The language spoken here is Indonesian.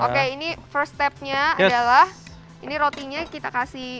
oke ini first stepnya adalah ini rotinya kita kasih